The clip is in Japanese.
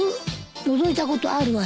のぞいたことあるわよ。